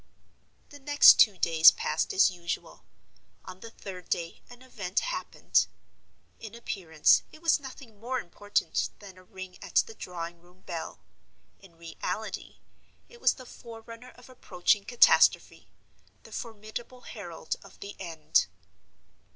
The next two days passed as usual. On the third day an event happened. In appearance, it was nothing more important than a ring at the drawing room bell. In reality, it was the forerunner of approaching catastrophe—the formidable herald of the end.